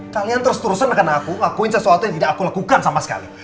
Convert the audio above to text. kalian terus terusan akan aku ngakuin sesuatu yang tidak aku lakukan sama sekali